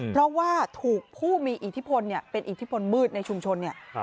เพราะว่าถูกผู้มีอิทธิพลเนี่ยเป็นอิทธิพลมืดในชุมชนเนี่ย